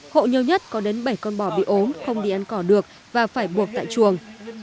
hộ nhiều nhất có đến bảy con bò bị ốm không đi ăn cỏ được và phải buộc tại chuồng